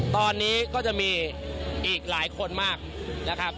ตอนนี้ก็จะมีอีกหลายคนมากนะครับ